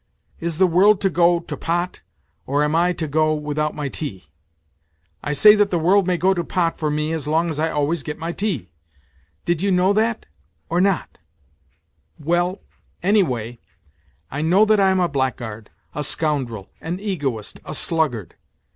Is the world to go to pot, or am I to go without my tea ? I say that the world may go to pot for me so long as I always get my tea. Did you know that, or not 1 Well, anyway, I know that I am a blackguard, a scoundrel, an egoist, a sluggard.